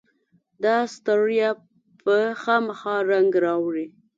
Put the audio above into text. داستړیا به خامخا رنګ راوړي.